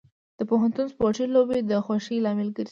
د پوهنتون سپورتي لوبې د خوښۍ لامل ګرځي.